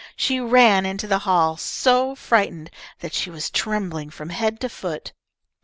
She ran into the hall, so frightened that she was trembling from head to foot.